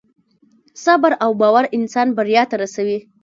صبر او باور انسان بریا ته رسوي.